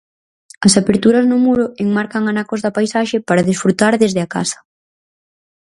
As aperturas no muro enmarcan anacos da paisaxe para desfrutar desde a casa.